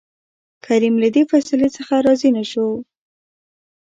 کريم له دې فيصلې څخه راضي نه شو.